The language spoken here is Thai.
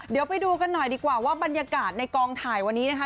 เดี๋ยวไปดูกันหน่อยดีกว่าว่าบรรยากาศในกองถ่ายวันนี้นะคะ